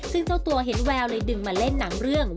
ซึ่งเจ้าตัวเห็นแววเลยดึงมาเล่นหนังเรื่อง